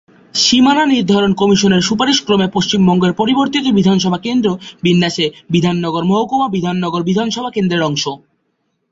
সীমানা নির্ধারণ কমিশনের সুপারিশ ক্রমে পশ্চিমবঙ্গের পরিবর্তিত বিধানসভা কেন্দ্র বিন্যাসে বিধাননগর মহকুমা বিধাননগর বিধানসভা কেন্দ্রের অংশ।